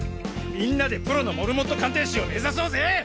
みんなでプロのモルモット鑑定士を目指そうぜ！